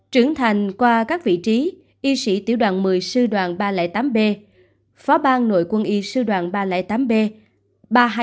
trưởng thành qua các vị trí y sĩ tiểu đoàn một mươi sư đoàn ba trăm linh tám b phó bang nội quân y sư đoàn ba trăm linh tám b